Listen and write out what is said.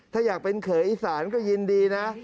ถ้าอยากเป็นเขยอีสานก็ยินดีนะ